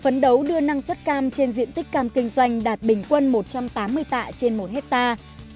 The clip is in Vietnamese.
phấn đấu đưa năng suất cam trên diện tích cam kinh doanh đạt bình quân một trăm tám mươi tạ trên một hectare